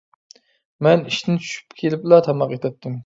مەن ئىشتىن چۈشۈپ كېلىپلا تاماق ئېتەتتىم.